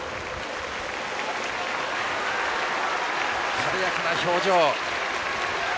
晴れやかな表情。